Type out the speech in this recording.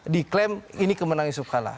diklaim ini kemenang yusuf kalla